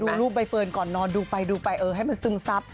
เดี๋ยวดูรูปใบเฟิร์นก่อนนอนดูไปเออให้มันซึ้งซับ